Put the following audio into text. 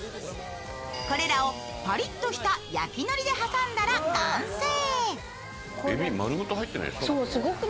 これらをパリッとした焼きのりで挟んだら完成。